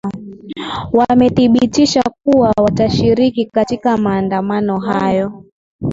wamethibitisha kuwa watashiriki katika maandamano hayo